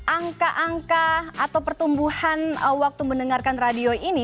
angka angka atau pertumbuhan waktu mendengarkan radio ini